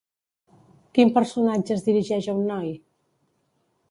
Quin personatge es dirigeix a un noi?